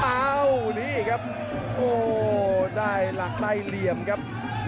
อ้าวนี่ครับโอ้โหได้หลักได้เหลี่ยมครับ